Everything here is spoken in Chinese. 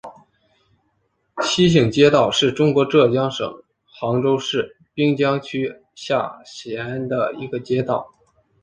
西兴街道是中国浙江省杭州市滨江区下辖的一个街道。